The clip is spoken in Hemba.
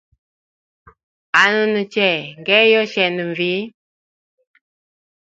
Anunu che ,nge yoshenda nvii?